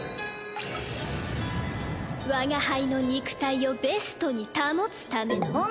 我が輩の肉体をベストに保つための。